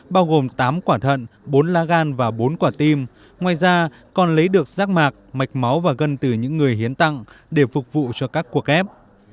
bao gồm tám quả thận bốn lá gan và bốn quả tim ngoài ra còn lấy được rác mạc mạch máu và gần từ những người hiến tặng để phục vụ cho các cuộc kép